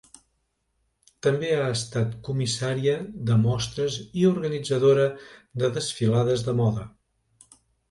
També ha estat comissària de mostres i organitzadora de desfilades de moda.